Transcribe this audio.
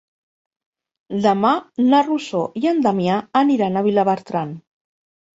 Demà na Rosó i en Damià aniran a Vilabertran.